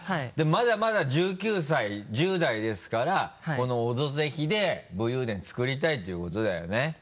でもまだまだ１９歳１０代ですからこの「オドぜひ」で武勇伝つくりたいっていうことだよね。